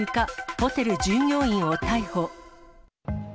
ホテル従業員を逮捕。